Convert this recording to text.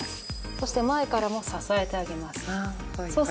そして前からも支えてあげます。